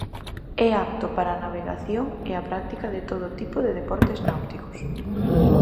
É apto para a navegación e a práctica de todo tipo de deportes náuticos.